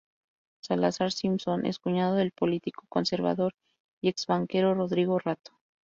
Salazar-Simpson es cuñado del político conservador y ex-banquero Rodrigo Rato.